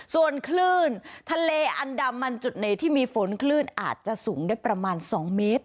ส่วนคลื่นทะเลอันดามันจุดไหนที่มีฝนคลื่นอาจจะสูงได้ประมาณ๒เมตร